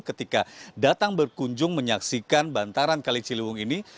ketika datang berkunjung menyaksikan bantaran kali ciliwung ini